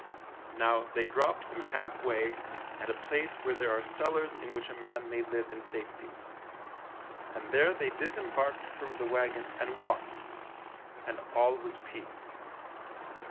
Now, they dropped him half way, at a place where there are cellars in which a man may live in safety, and there they disembarked THE LIEUTENANT 23 from the wagon and walked : and all was peace.